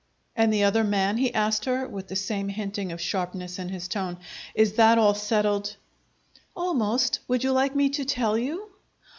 "And the other man?" he asked her, with the same hinting of sharpness in his tone. "Is that all settled?" "Almost. Would you like me to tell you?"